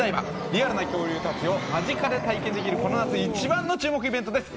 リアルな恐竜たちを間近で体験できるこの夏一番の注目イベントです。